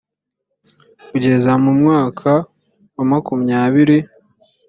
kugeza mu mwaka wa makumyabiri